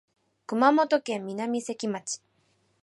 熊本県南関町